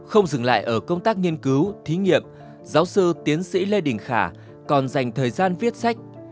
không dừng lại ở công tác nghiên cứu thí nghiệm giáo sư tiến sĩ lê đình khả còn dành thời gian viết sách